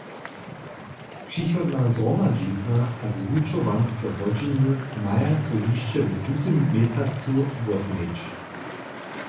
Přichodna zhromadźizna a zwučowanske hodźiny maja so hišće w tutym měsacu wotměć.